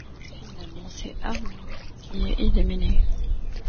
Finalement, c'est Harmony qui est éliminée.